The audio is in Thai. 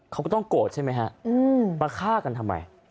เขาก็ต้องโกรธใช่ไหมฮะมาฆ่ากันทำไม